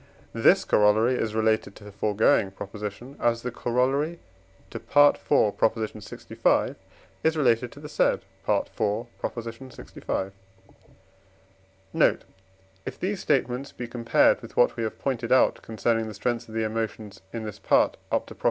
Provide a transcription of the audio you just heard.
This Corollary is related to the foregoing Proposition as the Corollary to IV. lxv. is related to the said IV. lxv. Note. If these statements be compared with what we have pointed out concerning the strength of the emotions in this Part up to Prop.